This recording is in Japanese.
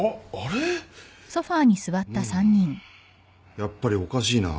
やっぱりおかしいなぁ。